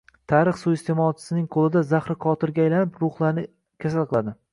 tarix suiiste’molchisining qo‘lida zahri qotilga aylanib, ruhlarni kasal qiladi.